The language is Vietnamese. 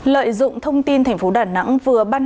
lợi dụng thông tin thành phố đà nẵng vừa ban hành